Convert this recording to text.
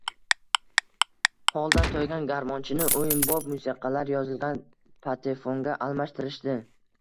Holdan toygan garmonchini oʻyinbop musiqalar yozilgan patefonga almashtirishdi